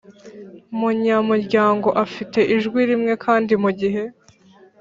Munyamuryango Afite Ijwi Rimwe Kandi Mu Gihe